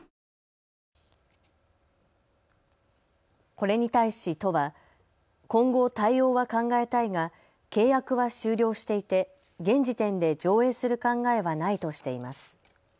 これに対し都は今後対応は考えたいが、契約は終了していて現時点で上映する考えはないとしています。